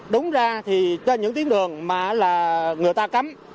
đúng ra thì trên những tiếng đường mà là người ta cấm